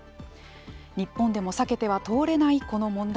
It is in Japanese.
日本でも避けては通れないこの問題。